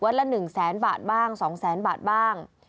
ละ๑แสนบาทบ้าง๒แสนบาทบ้าง